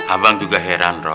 abang juga heran rob